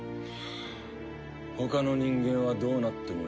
他の人間はどうなってもいいってか。